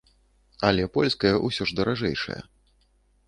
Але польская ўсё ж даражэйшая.